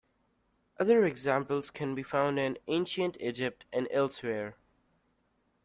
Other examples can be found in Ancient Egypt and elsewhere.